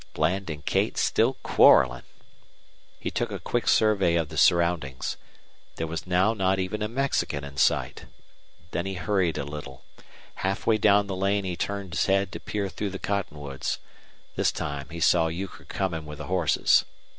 Bland and Kate still quarreling! He took a quick survey of the surroundings. There was now not even a Mexican in sight. Then he hurried a little. Halfway down the lane he turned his head to peer through the cottonwoods. This time he saw Euchre coming with the horses.